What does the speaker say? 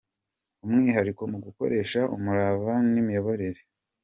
umwihariko mu gukoresha umurava n’imiyoborere.